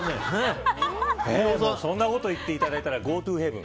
そんなこと言っていただいたらゴートゥーヘブン！